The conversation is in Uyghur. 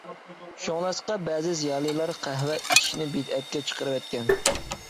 شۇڭلاشقا بەزى زىيالىيلار قەھۋە ئىچىشنى بىدئەتكە چىقىرىۋەتكەن.